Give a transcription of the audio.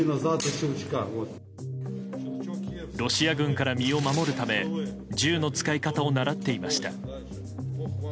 ロシア軍から身を守るため銃の使い方を習っていました。